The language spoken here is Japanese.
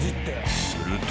［すると］